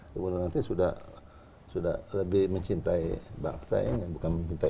kemudian nanti sudah lebih mencintai bangsa